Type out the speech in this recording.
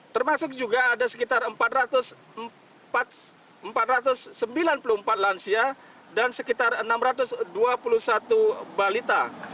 termasuk juga ada sekitar empat ratus sembilan puluh empat lansia dan sekitar enam ratus dua puluh satu balita